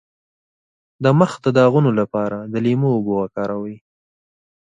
د مخ د داغونو لپاره د لیمو اوبه وکاروئ